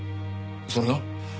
それが？